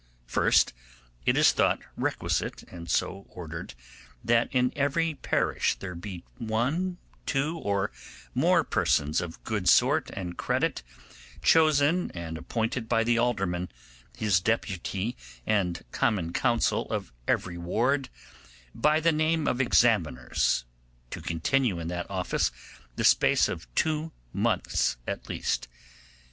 'First, it is thought requisite, and so ordered, that in every parish there be one, two, or more persons of good sort and credit chosen and appointed by the alderman, his deputy, and common council of every ward, by the name of examiners, to continue in that office the space of two months at least.